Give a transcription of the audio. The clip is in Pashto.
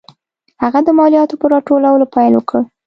هغه د مالیاتو په راټولولو پیل وکړ.